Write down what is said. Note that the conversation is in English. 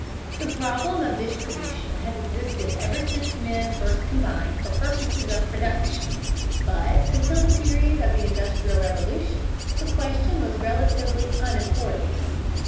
The problem of distribution has existed ever since men first combined for purposes of production, but until the period of the Industrial Revolution the question was relatively unimportant.